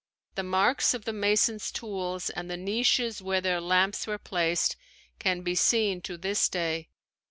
The marks of the mason's tools and the niches where their lamps were placed can be seen to this day.